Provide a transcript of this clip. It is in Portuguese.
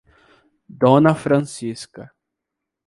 Dona Francisca